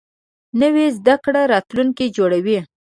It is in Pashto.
نوې زده کړه راتلونکی جوړوي